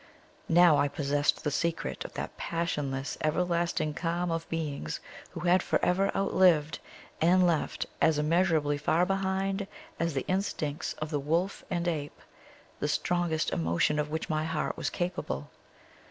Now I possessed the secret of that passionless, everlasting calm of beings who had for ever outlived, and left as immeasurably far behind as the instincts of the wolf and ape, the strongest emotion of which my heart was capable.